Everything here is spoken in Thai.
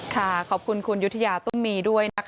ค่ะขอบคุณคุณยุทยาตุ้มมีด้วย